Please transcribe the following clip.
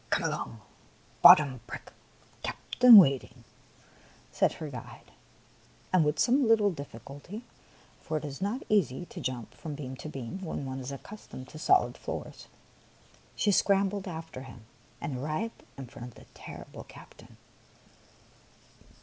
*' Come along. Bottom brick. Captain wait ing," said her guide ; and with some little diffi culty — for it is not easy to jump from beam to beam when one is accustomed to solid floors — she scrambled after him and arrived in front of the terrible captain.